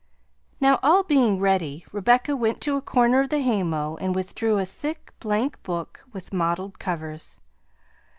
Now, all being ready, Rebecca went to a corner of the haymow, and withdrew a thick blank book with mottled covers.